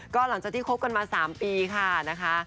ก็หลังจากที่คบกันมา๓ปีค่ะนะคะ